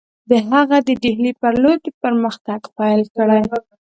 هغه د ډهلي پر لور یې پرمختګ پیل کړی.